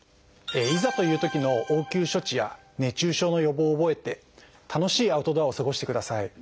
いざというときの応急処置や熱中症の予防を覚えて楽しいアウトドアを過ごしてください。